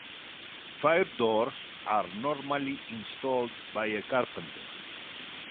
Fire doors are normally installed by a carpenter.